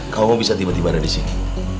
kamu bisa tiba tiba disini